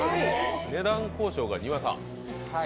値段交渉が丹羽さん。